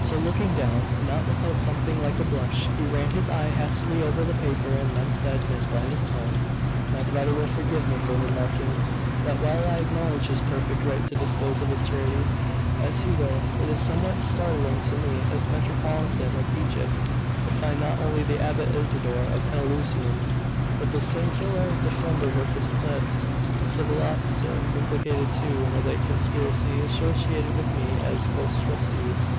So looking down, not without something like a blush, he ran his eye hastily over the paper; and then said, in his blandest tone 'My brother will forgive me for remarking, that while I acknowledge his perfect right to dispose of his charities as he will, it is somewhat startling to me, as Metropolitan of Egypt to find not only the Abbot Isidore of Pelusium, but the secular Defender of the Plebs, a civil officer, implicated, too, in the late conspiracy, associated with me as co trustees.